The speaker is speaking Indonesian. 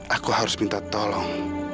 aku harus minta tolong